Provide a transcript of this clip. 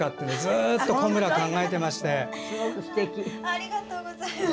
ありがとうございます。